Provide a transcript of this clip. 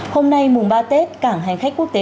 hôm nay mùng ba tết cảng hành khách quốc tế